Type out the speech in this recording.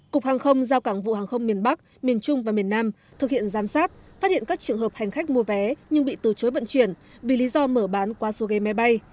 cục hàng không giao cảng vụ hàng không miền bắc miền trung và miền nam thực hiện giám sát phát hiện các trường hợp hành khách mua vé nhưng bị từ chối vận chuyển vì lý do mở bán qua số ghế máy bay